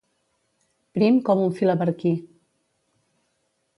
Prim com un filaberquí.